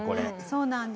そうなんです。